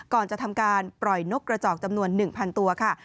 ก่อนจะทำการปล่อยนกกระจอกจำนวน๑๐๐ตัวค่ะ